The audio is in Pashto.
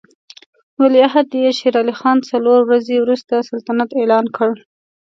ولیعهد یې شېر علي خان څلور ورځې وروسته سلطنت اعلان کړ.